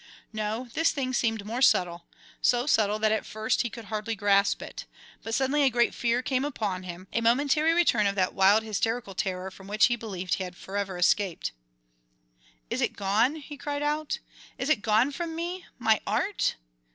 No, this thing seemed more subtle, so subtle that at first he could hardly grasp it. But suddenly a great fear came upon him, a momentary return of that wild hysterical terror from which he believed he had forever escaped. "Is it gone?" he cried out. "Is it gone from me? My art?